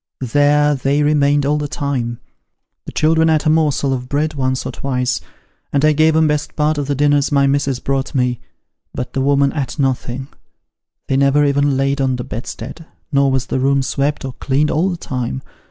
There they remained all the time : the children ate a morsel of bread once or twice, and I gave 'em best part of the dinners my missis brought me, but the woman ate nothing ; they never even laid on the bedstead, nor was the room swept or cleaned all the time.